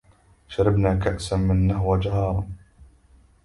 شربنا كأس من نهوى جهارا